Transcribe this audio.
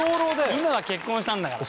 今は結婚したんだから。